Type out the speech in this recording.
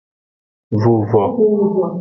Vuvo.